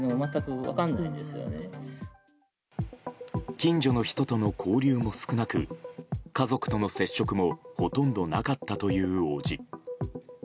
近所の人との交流も少なく家族との接触もほとんどなかったという伯父。